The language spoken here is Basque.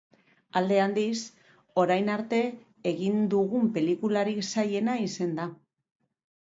Alde handiz, orain arte egin dugun pelikularik zailena izan da.